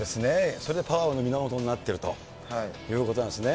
それでパワーの源になってるということなんですね。